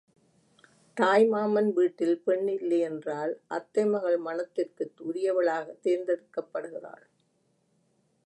தாய் மாமன் வீட்டில் பெண்ணில்லையென்றால் அத்தை மகள் மணத்திற்கு உரியவளாகத் தேர்ந்தெடுக்கப்படுகிறாள்.